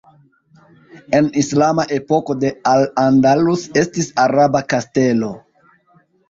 En islama epoko de Al Andalus estis araba kastelo.